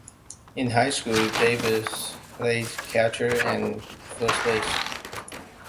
In high school, Davis played catcher and first base.